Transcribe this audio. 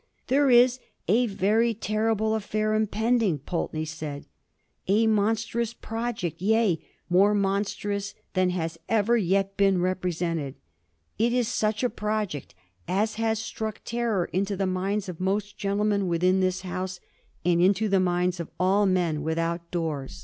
There is * a very terrible affair impending,' Pulteney said, * a mon strous project — ^yea, more monstrous than has ever yet been represented. It is such a project as has struck terror into the minds of most gentlemen within this House, and into the minds of all men without doors Digiti zed by Google 414 A HISTORY OF THE FOUR GEORGES.